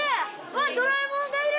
わっドラえもんがいる！